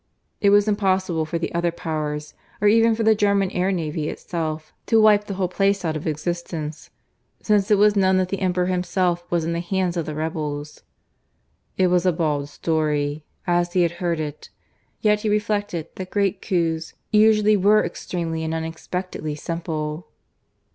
It was impossible for the other Powers, or even for the German air navy itself, to wipe the whole place out of existence, since it was known that the Emperor himself was in the hands of the rebels. (It was a bald story, as he had heard it; yet he reflected that great coups usually were extremely and unexpectedly simple.)